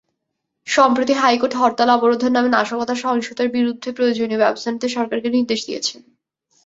সম্প্রতি হাইকোর্ট হরতাল-অবরোধের নামে নাশকতা–সহিংসতার বিরুদ্ধে প্রয়োজনীয় ব্যবস্থা নিতে সরকারকে নির্দেশ দিয়েছেন।